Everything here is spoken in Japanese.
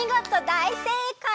だいせいかい！